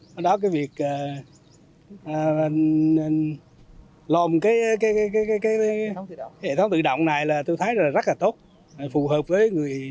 đó là cái việc lồn cái hệ thống tự động này là tôi thấy rất là tốt phù hợp với người dân sản xuất